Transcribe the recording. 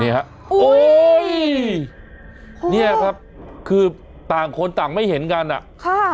โอ้ยเนี่ยครับคือต่างคนต่างไม่เห็นกันอ่ะค่ะ